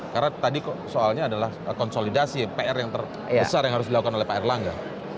karena tadi soalnya adalah konsolidasi pr yang terbesar yang harus dilakukan oleh pak erlangga